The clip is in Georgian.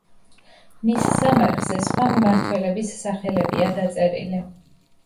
მის სამარხზე სხვა მმართველების სახელებია დაწერილი.